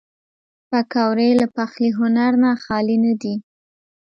پکورې له پخلي هنر نه خالي نه دي